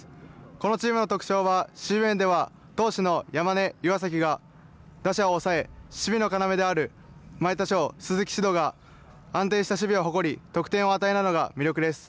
このチームの特徴は、守備面では投手の山根、岩崎が打者を抑え守備の要である前田笑鈴木志登が安定した守備を誇り得点を与えないのが魅力です。